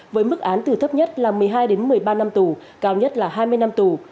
với mức án từ thấp nhất là một mươi hai đến một mươi ba năm tù cao nhất là hai mươi năm tù